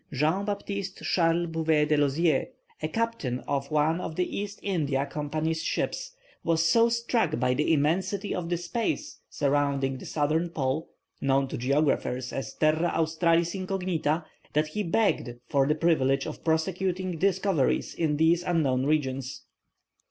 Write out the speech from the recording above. Jean Baptiste Charles Bouvet de Lozier, a captain of one of the East India Company's ships, was so struck by the immensity of the space surrounding the Southern Pole, known to geographers as the Terra australis incognita, that he begged for the privilege of prosecuting discoveries in these unknown regions.